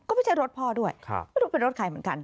ก็ไม่ใช่รถพ่อด้วยไม่รู้เป็นรถใครเหมือนกัน